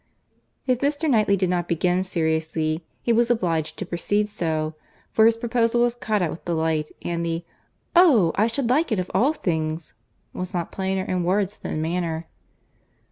If Mr. Knightley did not begin seriously, he was obliged to proceed so, for his proposal was caught at with delight; and the "Oh! I should like it of all things," was not plainer in words than manner.